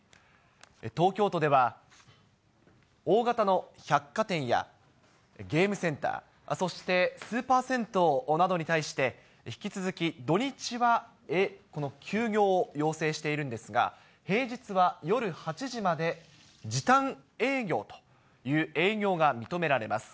東京都では、大型の百貨店やゲームセンター、そしてスーパー銭湯などに対して、引き続き、土日は休業を要請しているんですが、平日は夜８時まで、時短営業という、営業が認められます。